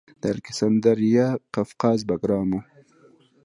د الکسندریه قفقاز بګرام و